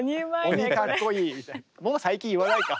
もう最近言わないか。